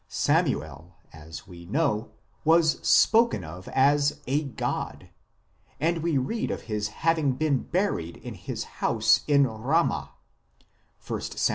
Samuel, as we know, was spoken of as a " god," and we read of his having been buried in his house in Ramah (1 Sam.